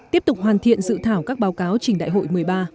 tiếp tục hoàn thiện dự thảo các báo cáo trình đại hội một mươi ba